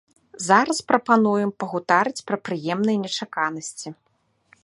Зараз прапануем пагутарыць пра прыемныя нечаканасці!